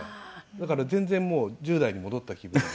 だから全然もう１０代に戻った気分で。